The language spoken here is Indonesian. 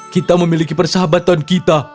kita memiliki persahabatan kita